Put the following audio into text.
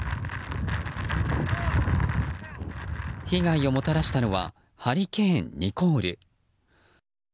被害をもたらしたのはハリケーン、ニコール。